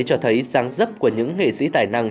cho thấy ráng rấp của những nghệ sĩ tài năng